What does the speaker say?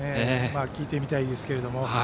聞いてみたいですけれども。